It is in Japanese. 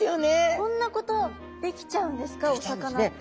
こんなことできちゃうんですかお魚って。